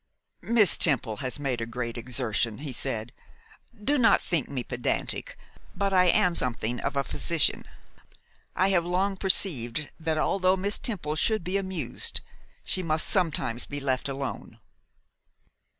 'Miss Temple has made a great exertion,' he said. 'Do not think me pedantic, but I am something of a physician. I have long perceived that, although Miss Temple should be amused, she must sometimes be left alone.